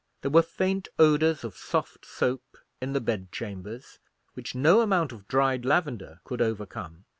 There were faint odours of soft soap in the bed chambers, which no amount of dried lavender could overcome.